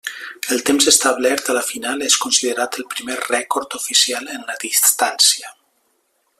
El temps establert a la final és considerat el primer rècord oficial en la distància.